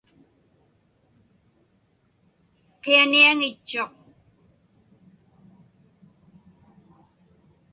Qianiaŋitchuq.